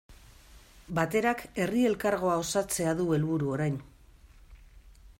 Baterak Herri Elkargoa osatzea du helburu orain.